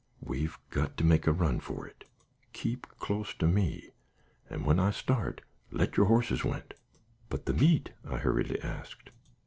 We've got to make a run for it. Keep close to me, and when I start, let your horses went." "But the meat?" I hurriedly asked.